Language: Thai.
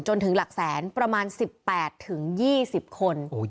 จนถึงหลักแสนประมาณ๑๘๒๐คน